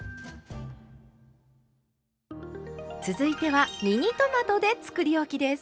続いてはミニトマトでつくりおきです。